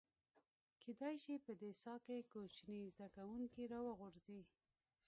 کېدای شي په دې څاه کې کوچني زده کوونکي راوغورځي.